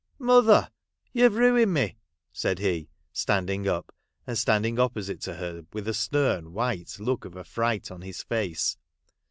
' Mother ! you Ve ruined me,' said he standing up, and standing opposite to her with a stern white look of affright on his face.